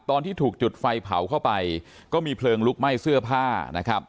ตอนที่ถูกจุดไฟเผาเข้าไปก็มีเพลิงลุกไหม้เสื้อผ้านะครับ